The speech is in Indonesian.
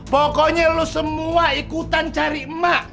pokoknya lo semua ikutan cari emak